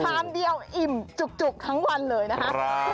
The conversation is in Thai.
เดียวอิ่มจุกทั้งวันเลยนะคะ